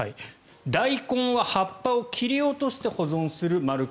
ダイコンは葉っぱを切り落として保存する。